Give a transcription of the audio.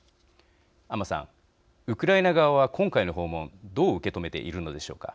安間さん、ウクライナ側は今回の訪問どう受け止めているのでしょうか。